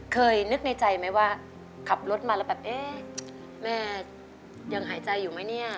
นึกในใจไหมว่าขับรถมาแล้วแบบเอ๊ะแม่ยังหายใจอยู่ไหมเนี่ย